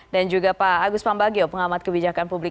dan juga pak agus pambagio pengamat kebijakan publik